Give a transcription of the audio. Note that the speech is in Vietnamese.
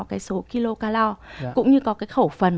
cái số kilocalor cũng như có cái khẩu phần